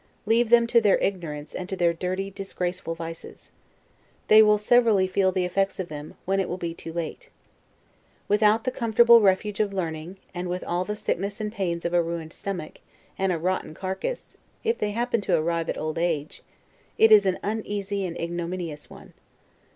Leave them to their ignorance and to their dirty, disgraceful vices. They will severely feel the effects of them, when it will be too late. Without the comfortable refuge of learning, and with all the sickness and pains of a ruined stomach, and a rotten carcass, if they happen to arrive at old age, it is an uneasy and ignominious one.